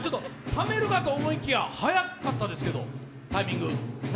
ためるかと思いきや早かったですけど、タイミング。